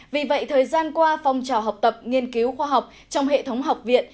vì vậy thời gian qua phong trào học tập nghiên cứu khoa học trong hệ thống học viện